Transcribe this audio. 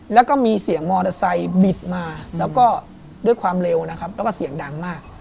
แล้วก็มีเสียงมอสายบิดมาแล้วก็ด้วยความเร็วแล้วก็เสียงดังมาก